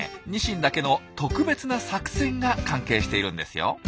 ニシンだけの特別な作戦が関係しているんですよ。